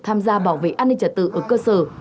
tham gia bảo vệ an ninh trật tự ở cơ sở